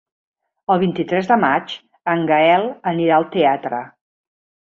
El vint-i-tres de maig en Gaël anirà al teatre.